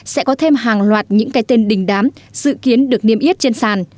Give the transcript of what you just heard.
sẽ có thêm hàng loạt những cái tên đình đám dự kiến được niêm yết trên sàn